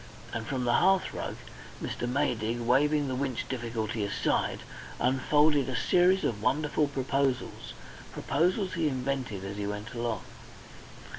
And from the hearthrug Mr. Maydig, waving the Winch difficulty aside, unfolded a series of wonderful proposals proposals he invented as he went along.